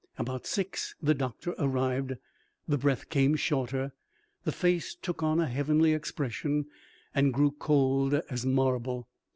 About six the doctor arrived. The breath came shorter, the face took on a heavenly expression, and grew cold as marble.